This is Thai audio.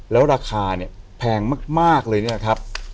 แล้วราคาแพงมากเลยนี่แหละครับ